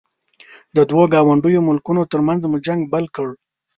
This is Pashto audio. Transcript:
د دوو ګاونډیو ملکونو ترمنځ مو جنګ بل کړ.